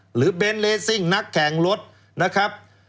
หรือเบนเรซิ่งนักแข่งรถนะครับ